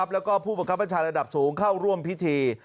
แล้วก็ผู้บังคับบัญชาระดับสูงเข้าร่วมพิธี